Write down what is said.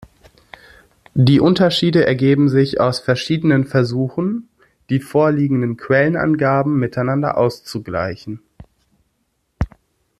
Die Unterschiede ergeben sich aus verschiedenen Versuchen, die vorliegenden Quellenangaben miteinander auszugleichen.